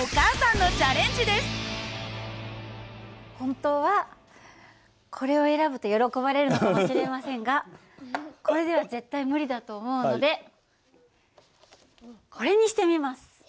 本当はこれを選ぶと喜ばれるのかもしれませんがこれでは絶対無理だと思うのでこれにしてみます。